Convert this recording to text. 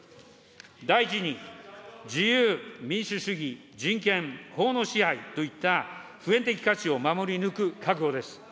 第１に、自由、民主主義、人権、法の支配といった普遍的価値を守り抜く覚悟です。